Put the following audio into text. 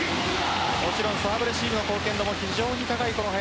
もちろんサーブレシーブ貢献度も非常に高い林。